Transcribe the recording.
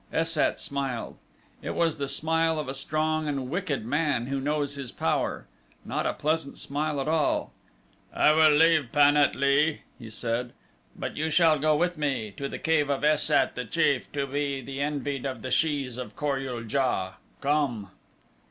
Es sat smiled. It was the smile of a strong and wicked man who knows his power not a pleasant smile at all. "I will leave, Pan at lee," he said; "but you shall go with me to the cave of Es sat, the chief, to be the envied of the shes of Kor ul JA. Come!"